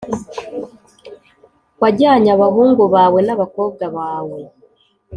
wajyanye abahungu bawe n’abakobwa bawe